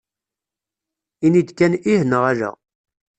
Ini-d kan ih neɣ ala.